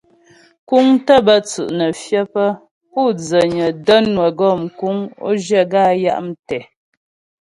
Kúŋ tə́ bə́ tsʉ' nə́ fyə pə́ pu' dzənyə də́ nwə gɔ mkuŋ o zhyə gaə́ á ya' mətɛ.